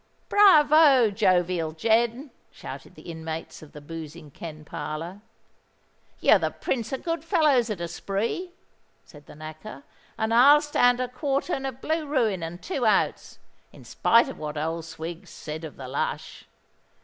"Brayvo, Jovial Jen!" shouted the inmates of the boozing ken parlour. "You're the prince of good fellers at a spree," said the Knacker: "and I'll stand a quartern of blue ruin and two outs, in spite o' what old Swiggs said of the lush."